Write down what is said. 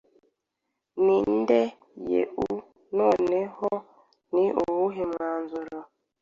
Ni nde Yeu Noneho ni uwuhe mwanzuro